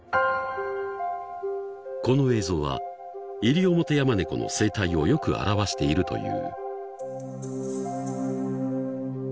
［この映像はイリオモテヤマネコの生態をよく表しているという］